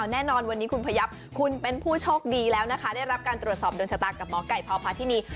แน่นอนวันนี้คุณพยับคุณเป็นผู้โชคดีแล้วนะคะได้รับการตรวจสอบโดนชะตากับหมอไก่พพาธินี